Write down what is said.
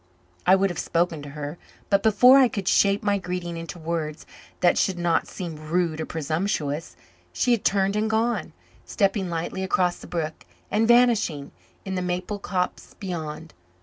I would have spoken to her, but before I could shape my greeting into words that should not seem rude or presumptuous, she had turned and gone, stepping lightly across the brook and vanishing in the maple copse beyond.